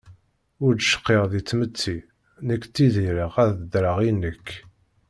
Ur d cqiɣ di tmetti, nekk ttidireɣ ad ddreɣ i nekk.